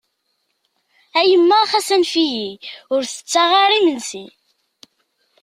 A yemma xas anef-iyi! Ur tettaɣ ara imensi.